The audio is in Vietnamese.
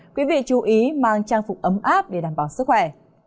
quý vị chú ý mang trang phục ấm áp để đảm bảo sức khỏe